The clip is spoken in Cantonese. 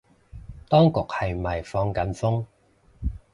當局係咪放緊風